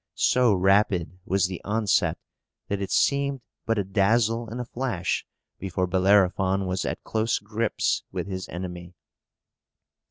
So rapid was the onset that it seemed but a dazzle and a flash before Bellerophon was at close grips with his enemy.